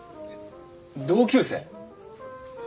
同級生⁉